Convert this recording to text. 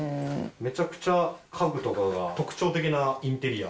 めちゃくちゃ家具とかが特徴的なインテリア。